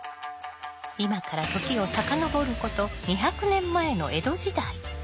今から時を遡ること２００年前の江戸時代。